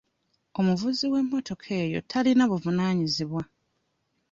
Omuvuzi w'emmotoka eyo talina buvunaanyizibwa.